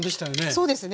そうですね。